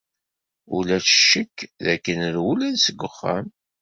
Ulac ccekk dakken rewlen seg uxxam.